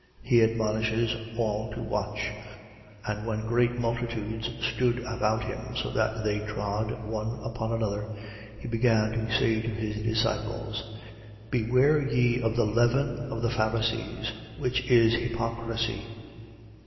He admonishes all to watch. 12:1. And when great multitudes stood about him, so that they trod one upon another, he began to say to his disciples: Beware ye of the leaven of the Pharisees, which is hypocrisy.